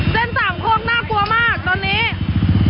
สามโคกน่ากลัวมากตอนนี้